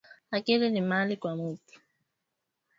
Akili ni mali kwa mutu